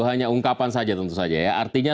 hanya ungkapan saja tentu saja ya artinya